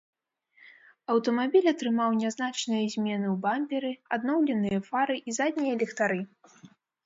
Аўтамабіль атрымаў нязначныя змены ў бамперы, абноўленыя фары і заднія ліхтары.